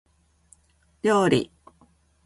料理